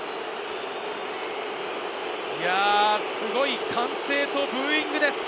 すごい歓声とブーイングです。